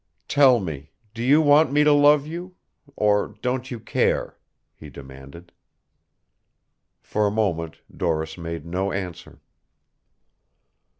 "Tell me, do you want me to love you or don't you care?" he demanded. For a moment Doris made no answer.